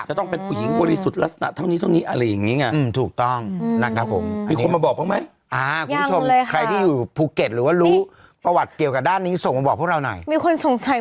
จะต้องเป็นผู้หญิงบริสุทธิ์ลักษณะเท่านี้เท่านี้อะไรอย่างนี้ไง